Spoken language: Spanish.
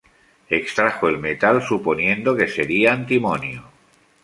Extrajo el metal suponiendo que sería antimonio.